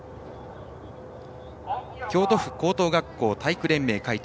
京都府高等学校体育連盟会長